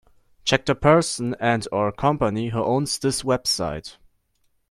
Check the person and/or company who owns this website.